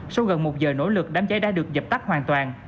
sau gần một giờ nỗ lực đám cháy đã được dập tắt hoàn toàn